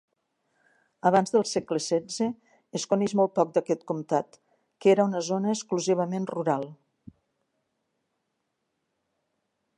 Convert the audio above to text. Abans del segle setze, es coneix molt poc d'aquest comtat, que era una zona exclusivament rural.